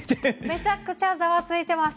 めちゃくちゃざわついてます